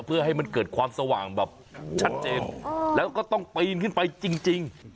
เพื่อให้มันเกิดความสว่างแบบชัดเจนแล้วก็ต้องปีนขึ้นไปจริง